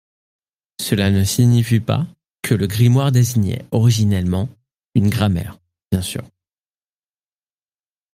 Cela ne signifie pas que le grimoire désignait originellement une grammaire, bien sûr.